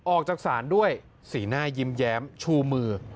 ออกจากศาลด้วยสีหน้ายิ้มแย้มชูมือ